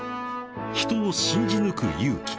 ［人を信じ抜く勇気］